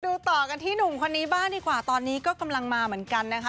ต่อกันที่หนุ่มคนนี้บ้างดีกว่าตอนนี้ก็กำลังมาเหมือนกันนะคะ